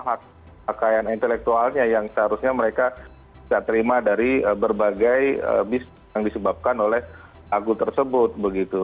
hak pakaian intelektualnya yang seharusnya mereka bisa terima dari berbagai yang disebabkan oleh lagu tersebut begitu